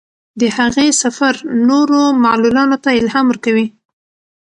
د هغې سفر نورو معلولانو ته الهام ورکوي.